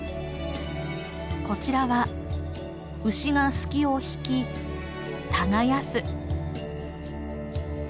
こちらは牛がスキを引き耕す。